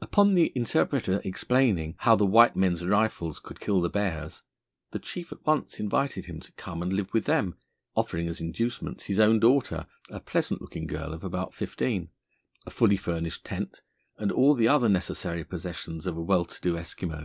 Upon the interpreter explaining how the white men's rifles could kill the bears, the chief at once invited him to come and live with them, offering as inducements his own daughter, a pleasant looking girl of about fifteen, a fully furnished tent, and all the other necessary possessions of a well to do Eskimo.